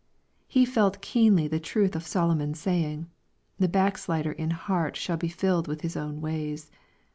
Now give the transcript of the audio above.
He felt keenly the truth of Solomon's saying, " The backslider in heart shall be filled with his own ways."